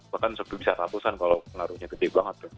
bahkan sebesar ratusan kalau menaruhnya gede banget